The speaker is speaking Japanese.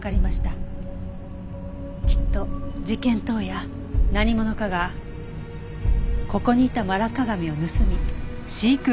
きっと事件当夜何者かがここにいたマラッカガメを盗み。